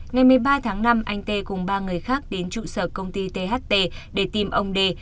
ngày một mươi ba tháng năm anh tê cùng ba người khác đến trụ sở công ty tht để tìm ông đê